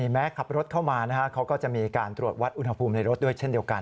แม้ขับรถเข้ามาเขาก็จะมีการตรวจวัดอุณหภูมิในรถด้วยเช่นเดียวกัน